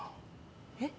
えっ。